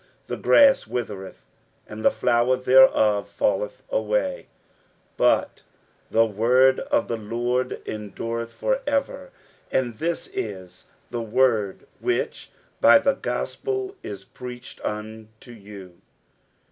The grass withereth, and the flower thereof falleth away: 60:001:025 But the word of the Lord endureth for ever. And this is the word which by the gospel is preached unto you.